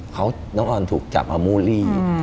เขาน้องอ่อนถูกจับเอามุรี